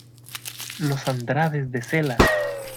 ¡ los Andrades de Cela!